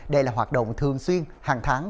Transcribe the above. đây là hoạt động thường xuyên hàng tháng